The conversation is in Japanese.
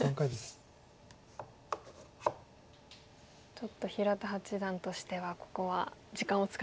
ちょっと平田八段としてはここは時間を使って。